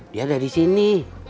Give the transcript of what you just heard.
dia ada di sini